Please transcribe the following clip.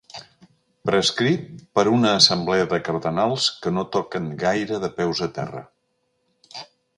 Prescrit per una assemblea de cardenals que no toquen gaire de peus a terra.